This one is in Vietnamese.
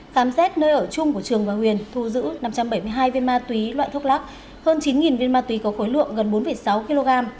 khám xét nơi ở chung của trường và huyền thu giữ năm trăm bảy mươi hai viên ma túy loại thuốc lắc hơn chín viên ma túy có khối lượng gần bốn sáu kg